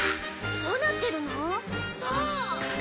どうなってるの？さあ？